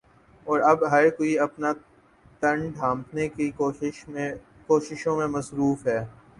اور اب ہر کوئی اپنا تن ڈھانپٹنے کی کوششوں میں مصروف ہے